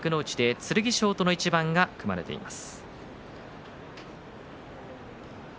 剣翔との一番が組まれています。